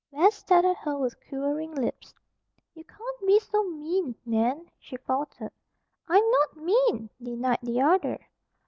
Bess stared at her with quivering lips. "You can't be so mean, Nan," she faltered. "I'm not mean!" denied the other.